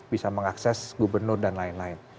bisa mengakses gubernur dan lain lain